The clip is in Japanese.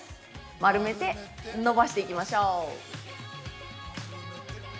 丸めて伸ばしていきましょう。